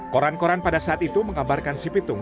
koran koran pada saat itu menggambarkan si pitung